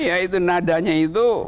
iya itu nadanya itu